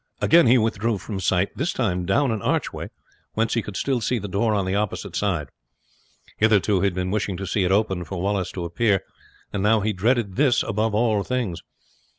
Again he withdrew from sight, this time down an archway, whence he could still see the door on the opposite side. Hitherto he had been wishing to see it open and for Wallace to appear; and now he dreaded this above all things.